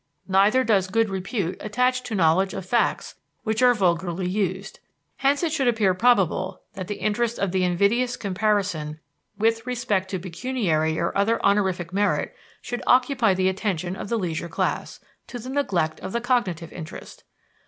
Neither does good repute attach to knowledge of facts that are vulgarly useful. Hence it should appear probable that the interest of the invidious comparison with respect to pecuniary or other honorific merit should occupy the attention of the leisure class, to the neglect of the cognitive interest.